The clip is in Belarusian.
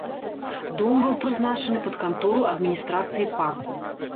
Дом быў прызначаны пад кантору адміністрацыі парку.